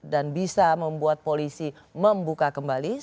dan bisa membuat polisi membuka kepadanya